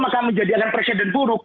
maka menjadi akan presiden buruk